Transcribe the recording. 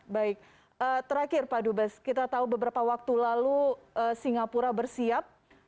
baik terakhir pak dubes kita tahu beberapa waktu lalu singapura bersiap